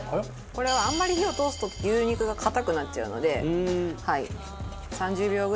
これはあんまり火を通すと牛肉が硬くなっちゃうのではい３０秒ぐらい。